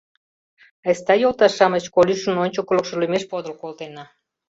Айста, йолташ-шамыч, Колюшын ончыклыкшо лӱмеш подыл колтена...